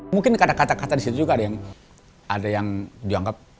mungkin kata kata disitu juga ada yang dianggap